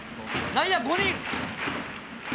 内野５人。